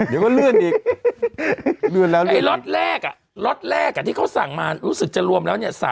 เดี๋ยวก็เลื่อนอีกล็อตแรกอ่ะที่เขาสั่งมารู้สึกจะรวมแล้วเนี่ย